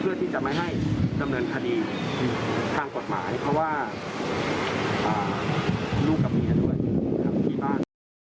เพื่อที่จะไม่ให้ดำเนินคดีทางกฎหมายเพราะว่าลูกกับเมียด้วยที่บ้าน